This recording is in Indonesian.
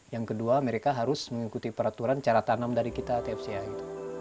yang kedua mereka harus mengikuti peraturan cara tanam dari kita atfca gitu